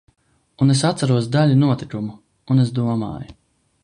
Un es atceros daļu notikumu, un es domāju.